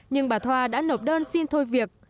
nhưng bà thoa đã nộp đơn xin thôi việc